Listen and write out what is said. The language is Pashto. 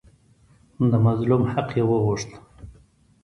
د مظلوم حق یې وغوښت.